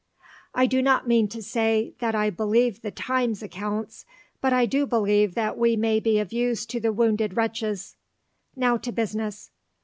I do not mean to say that I believe the Times accounts, but I do believe that we may be of use to the wounded wretches. Now to business.